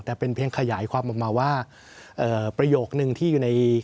แต่เป็นเพียงขยายความออกมาว่าประโยคนึงที่อยู่ใน